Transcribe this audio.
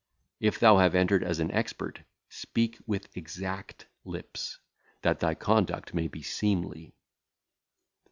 If thou have entered as an expert, speak with exact (?) lips, that thy conduct may be seemly.